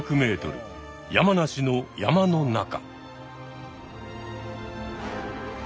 山梨の山の中。